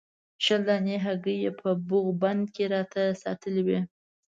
شل دانې هګۍ یې په بوغ بند کې راته ساتلې وې.